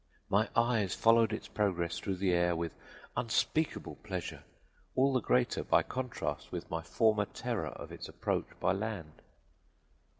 My eyes followed its progress through the air with unspeakable pleasure, all the greater by contrast with my former terror of its approach by land.